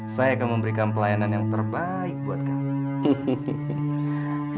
saya akan memberikan pelayanan yang terbaik buat kami